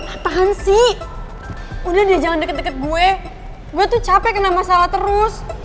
apaan sih udah dia jalan deket deket gue gue tuh capek kena masalah terus